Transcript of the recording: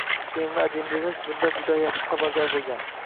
Sevimli adibimiz bundan juda yaxshi xabardor bo`lgan